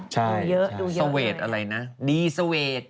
ใช่ซเวทอะไรนะดีซเวท